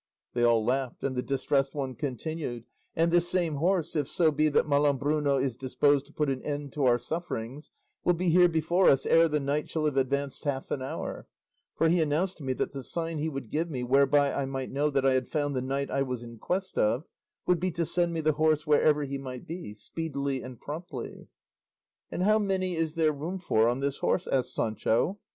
They all laughed, and the Distressed One continued: "And this same horse, if so be that Malambruno is disposed to put an end to our sufferings, will be here before us ere the night shall have advanced half an hour; for he announced to me that the sign he would give me whereby I might know that I had found the knight I was in quest of, would be to send me the horse wherever he might be, speedily and promptly." "And how many is there room for on this horse?" asked Sancho.